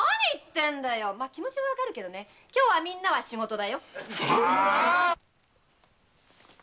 ま気持ちはわかるけどね今日はみんなは仕事だよ。